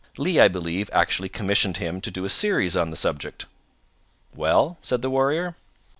Lee, I believe, actually commissioned him to do a series on the subject." "Well?" said the warrior.